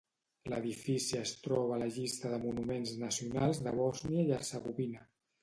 L'edifici es troba a la llista de monuments nacionals de Bòsnia i Hercegovina.